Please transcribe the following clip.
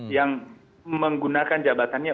yang menggunakan jabatannya